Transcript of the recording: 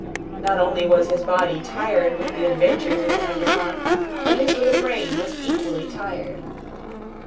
Not only was his body tired with the adventures it had undergone, but his little brain was equally tired.